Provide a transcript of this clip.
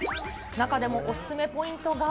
中でもお勧めポイントが。